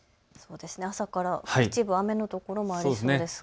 朝から一部雨の所もあるんですか。